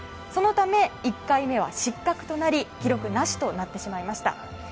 そのため、１回目は失格となり記録なしとなってしまいました。